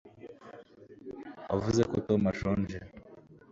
wavuze ko tom ashonje